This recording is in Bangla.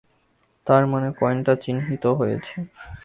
তার মানে কয়েনটা চিহ্নিত হয়েছে।